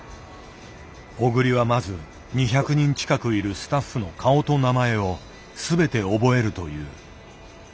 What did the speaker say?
小栗はまず２００人近くいるスタッフの顔と名前を全て覚えるという。